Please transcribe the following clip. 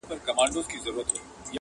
تور مېږي وه، سره مېږي وه، ښانګور وه!.